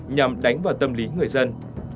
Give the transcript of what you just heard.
nhằm đánh vào tâm lý người dân